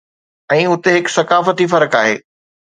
۽ اتي هڪ ثقافتي فرق آهي